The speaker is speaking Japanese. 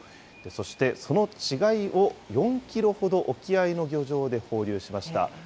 そして、その稚貝を４キロほど沖合の漁場で放流しました。